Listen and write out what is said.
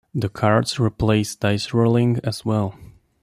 The cards replace dice-rolling, as well.